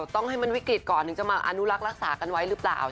ต้องให้มันวิกฤตก่อนถึงจะมาอนุรักษ์รักษากันไว้หรือเปล่า